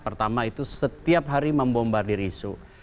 pertama itu setiap hari membombardir isu